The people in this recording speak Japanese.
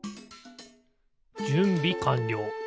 じゅんびかんりょう。